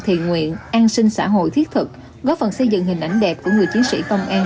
thiền nguyện an sinh xã hội thiết thực góp phần xây dựng hình ảnh đẹp của người chiến sĩ công an